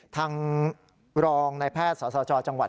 ทางรองในแพทย์สาวจังหวัด